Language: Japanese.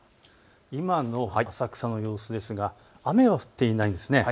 今の浅草の様子ですが雨は降っていないんです。